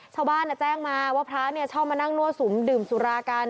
ชาวบ้านแจ้งมาว่าพระชอบมานั่งมั่วสุมดื่มสุรากัน